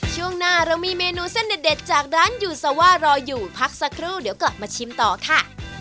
ช่วงหน้าเรามีเมนูเส้นเด็ดจากร้านยูซาว่ารออยู่พักสักครู่เดี๋ยวกลับมาชิมต่อค่ะ